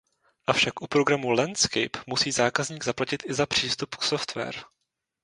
Avšak u programu Landscape musí zákazník zaplatit i za přístup k software.